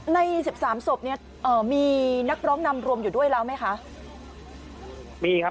ใน๑๓ศพมีนักร้องนำรวมอยู่ด้วยแล้วไหมคะ